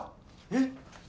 えっ？